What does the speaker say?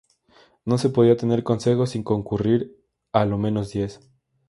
No se podía tener concejo sin concurrir á lo menos diez.